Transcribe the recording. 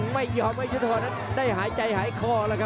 ไม่ยอมให้ยุทธบอลได้หายใจหายคอ